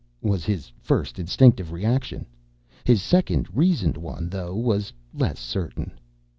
was his first, instinctive reaction. His second, reasoned one, though, was less certain.